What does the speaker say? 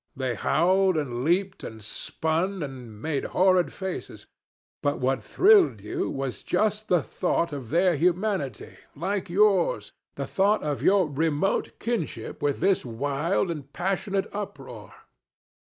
They howled, and leaped, and spun, and made horrid faces; but what thrilled you was just the thought of their humanity like yours the thought of your remote kinship with this wild and passionate uproar.